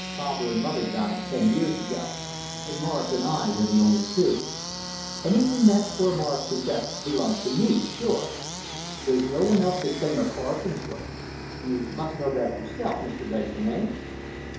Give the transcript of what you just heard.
Father and mother died ten years ago, and Morris and I were the only two. Anything that poor Morris possessed belongs to me, sure! There's no one else to claim a farthing's worth. You must know that yourself, Mr. Wrayson, eh?"